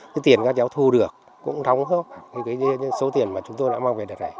cái tiền các cháu thu được cũng đóng hơn số tiền mà chúng tôi đã mang về đợt này